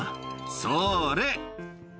「それ！」